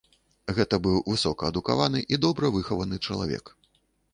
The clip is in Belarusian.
Гэта быў высокаадукаваны і добра выхаваны чалавек.